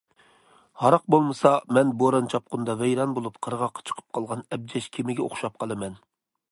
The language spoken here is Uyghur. ھاراق بولمىسا مەن بوران- چاپقۇندا ۋەيران بولۇپ قىرغاققا چىقىپ قالغان ئەبجەش كېمىگە ئوخشاپ قالىمەن.